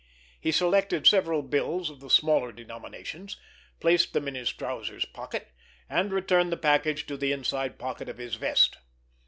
He selected several bills of the smaller denominations, placed them in his trousers' pocket, and returned the package to the inside pocket of his vest.